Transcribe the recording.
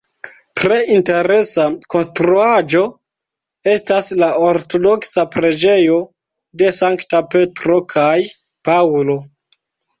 Tre interesa konstruaĵo estas la Ortodoksa preĝejo de Sankta Petro kaj Paŭlo.